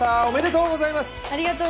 おめでとうございます。